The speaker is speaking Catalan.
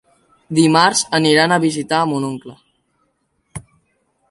Dimarts aniran a visitar mon oncle.